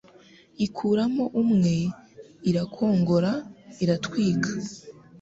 Ikuramo umwe irakongora iratwika